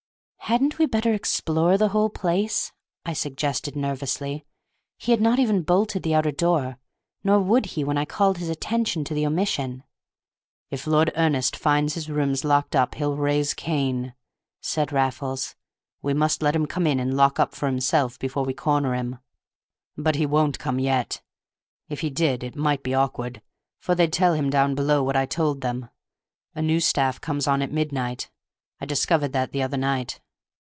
"Hadn't we better explore the whole place?" I suggested nervously. He had not even bolted the outer door. Nor would he when I called his attention to the omission. "If Lord Ernest finds his rooms locked up he'll raise Cain," said Raffles; "we must let him come in and lock up for himself before we corner him. But he won't come yet; if he did it might be awkward, for they'd tell him down below what I told them. A new staff comes on at midnight. I discovered that the other night."